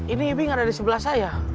ini ibing ada di sebelah saya